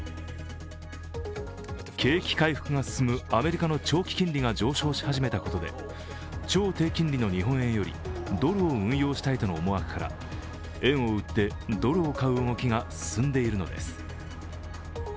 景気回復が進むアメリカの長期金利が上昇し始めたことで超低金利の日本円よりドルを運用したいとの思惑から円を売ってドルを買う動きが進んでいるのです。